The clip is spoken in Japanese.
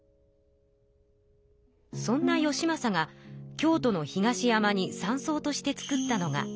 そんな義政が京都の東山にさんそうとして作ったのが銀閣。